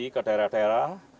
provisi ke daerah daerah